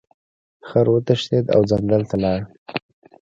خر وتښتید او ځنګل ته لاړ.